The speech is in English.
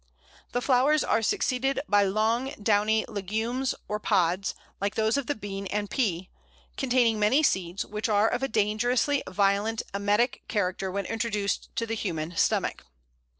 The flowers are succeeded by long downy legumes or pods, like those of the bean and pea, containing many seeds, which are of a dangerously violent emetic character when introduced to the human stomach.